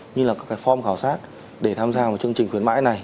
như là các form khảo sát để tham gia một chương trình khuyến mãi này